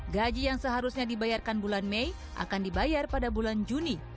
gaji yang seharusnya dibayarkan bulan mei akan dibayar pada bulan juni